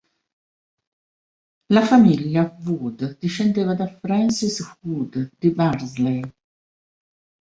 La famiglia Wood discendeva da Francis Wood, di Barnsley.